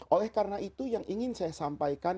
oleh karena itu yang ingin saya sampaikan